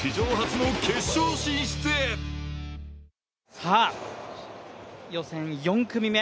さあ、予選４組目。